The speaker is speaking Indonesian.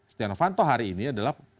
setia novanto hari ini adalah